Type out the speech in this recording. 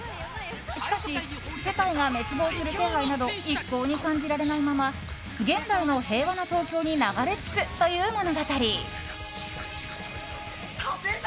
しかし、世界が滅亡する気配など一向に感じられないまま現代の平和な東京に流れ着くという物語。